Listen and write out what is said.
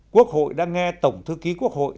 quốc hội đã nghe tổng thư ký quốc hội